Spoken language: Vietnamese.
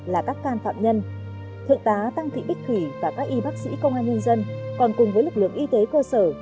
là các can phạm nhân thượng tá tăng thị bích thủy và các y bác sĩ công an nhân dân còn cùng với lực lượng y tế cơ sở